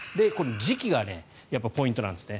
時期がやっぱりポイントなんですね。